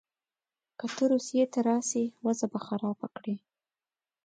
که ته روسیې ته راسې وضع به خرابه کړې.